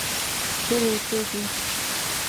چیرې اوسیږې.